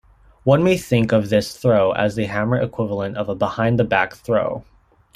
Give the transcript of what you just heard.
One may think of this throw as the hammer equivalent of a behind-the-back throw.